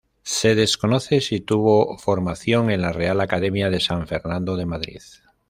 Se desconoce si tuvo formación en la Real Academia de San Fernando de Madrid.